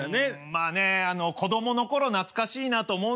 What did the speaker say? まあね子供の頃懐かしいなと思うんですよね。